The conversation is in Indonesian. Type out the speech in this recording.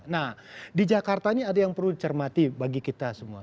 nah di jakarta ini ada yang perlu dicermati bagi kita semua